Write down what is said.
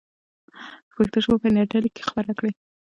پښتو ژبه په انټرنیټ کې خپره کړئ.